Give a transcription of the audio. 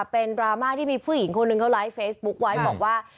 เป็นดราม่าที่มีผู้หญิงคนหนึ่งเขาไลฟ์เฟซบุ๊คไว้บอกว่า